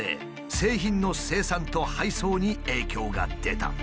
製品の生産と配送に影響が出た。